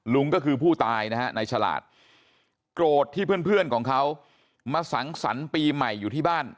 ก็คือผู้ตายนะฮะในฉลาดโกรธที่เพื่อนของเขามาสังสรรค์ปีใหม่อยู่ที่บ้าน